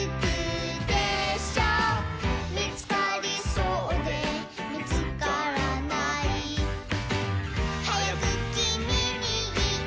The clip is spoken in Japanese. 「みつかりそうでみつからない」「はやくキミにいいたいよ」